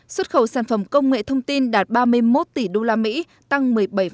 xuất khẩu sản phẩm công nghệ thông tin đạt ba mươi một tỷ usd tăng một mươi bảy